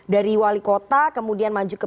dari wali kota kemudian maju ke